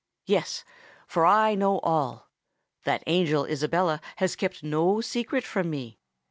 Yes—for I know all:—that angel Isabella has kept no secret from me.